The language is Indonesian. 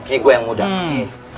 eh gue yang muda